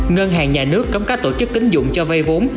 ngân hàng nhà nước cấm các tổ chức tính dụng cho vay vốn